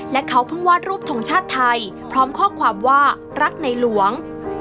และเขาเพิ่งวาดรูปทงชาติไทยพร้อมข้อความว่ารักในหลวง